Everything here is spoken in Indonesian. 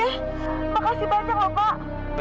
makasih banyak bapak